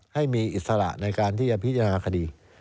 ให้มีอิสระในการที่จะพิจารณาคดี